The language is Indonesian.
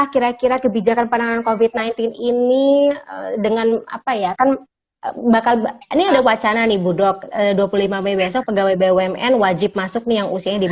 kalau ada b constructed